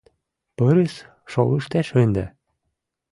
Пырыс шолыштеш ынде!